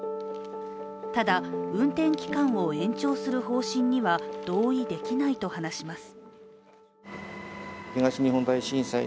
ただ、運転期間を延長する方針には同意できないと話します。